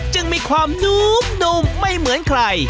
จึงมีความนุ่มไม่เหมือนใคร